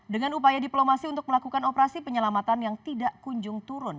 dengan upaya diplomasi untuk melakukan operasi penyelamatan yang tidak kunjung turun